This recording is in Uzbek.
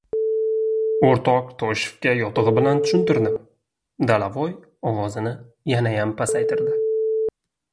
— O‘rtoq Toshevga yotig‘i bilan tushuntirdim, — Dalavoy ovozini yanayam pasaytirdi.